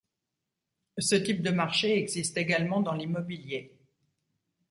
Ce type de marché existe également dans l'immobilier.